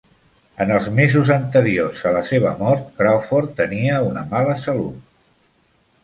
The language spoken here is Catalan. En els mesos anteriors a la seva mort, Crawford tenia una mala salut.